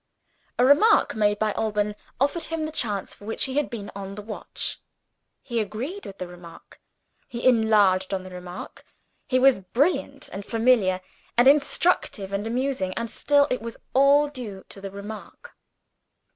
A remark made by Alban offered him the chance for which he had been on the watch. He agreed with the remark; he enlarged on the remark; he was brilliant and familiar, and instructive and amusing and still it was all due to the remark.